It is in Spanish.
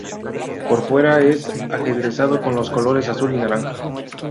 Por fuera es ajedrezado con los colores azul y naranja.